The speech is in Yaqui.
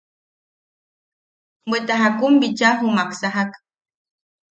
Bweta jakun bicha jumak sajak.